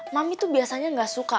mami tuh biasanya gak suka